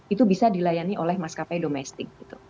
itu bisa dilayani oleh maskapai domestik